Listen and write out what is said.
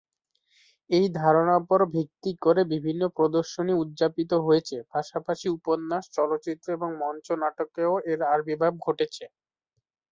এই ধারণার উপর ভিত্তি করে বিভিন্ন প্রদর্শনী উদযাপিত হয়েছে; পাশাপাশি উপন্যাস, চলচ্চিত্র এবং মঞ্চ নাটকেও এর আবির্ভাব ঘটেছে।